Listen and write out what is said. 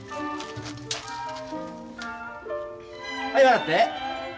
はい笑って。